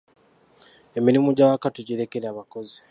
Emirimu gy’awaka togirekera bakozi.